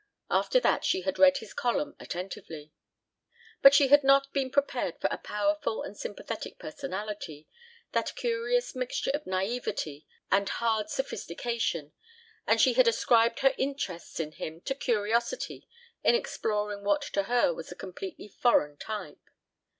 After that she had read his column attentively. But she had not been prepared for a powerful and sympathetic personality, that curious mixture of naïveté and hard sophistication, and she had ascribed her interest in him to curiosity in exploring what to her was a completely foreign type.